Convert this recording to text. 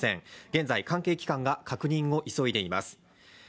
現在、関係機関が確認を急いでいます。